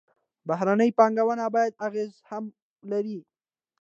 بهرنۍ پانګونه بدې اغېزې هم لري.